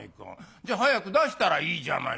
じゃ早く出したらいいじゃないの」。